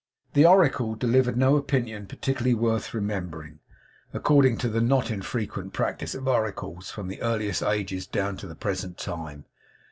The oracle delivered no opinion particularly worth remembering, according to the not infrequent practice of oracles from the earliest ages down to the present time.